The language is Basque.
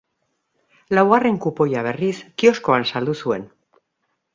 Laugarren kupoia, berriz, kioskoan saldu zuen.